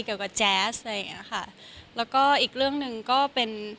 เกี่ยวกับแจ๊สอย่างนี้ค่ะแล้วก็อีกเรื่องหนึ่งก็เป็น